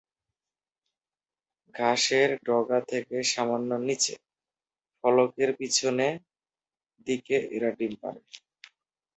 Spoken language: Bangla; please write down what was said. ঘাসের ডগা থেকে সামান্য নিচে, ফলকের পিছন দিকে এরা ডিম পাড়ে।